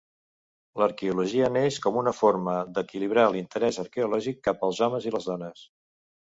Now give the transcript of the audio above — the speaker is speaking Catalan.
L'arqueologia neix com una forma d'equilibrar l'interès arqueològic cap als homes i les dones.